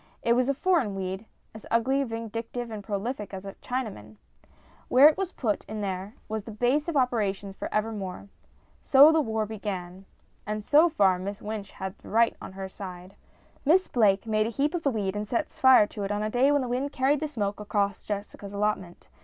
It was a foreign weed as ugly,, vindictive, and prolific as a Chinaman ! Where it was put in there was its base of operations for evermore. So the war began. And so far Miss Wynch had right on her side. Miss Blake made a heap of the weed and set fire to it on a day when the wind carried the smoke across Jessica's allotment.